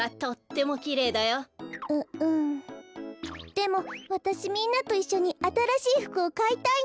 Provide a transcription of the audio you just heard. でもわたしみんなといっしょにあたらしいふくをかいたいの。